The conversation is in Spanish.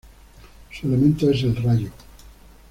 Su elemento es el rayo.